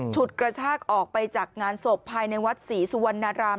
ฉุดกระชากออกไปจากงานศพภายในวัดศรีสุวรรณราม